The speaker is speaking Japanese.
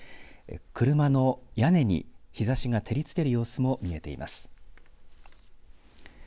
車の屋根に日ざしが照りつける様子も見えています。